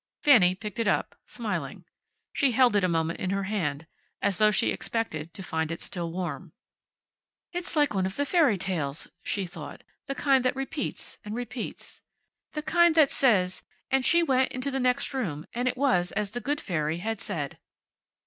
Fanny picked it up, smiling. She held it a moment in her hand, as though she expected to find it still warm. "It's like one of the fairy tales," she thought, "the kind that repeats and repeats. The kind that says, `and she went into the next room, and it was as the good fairy had said.'"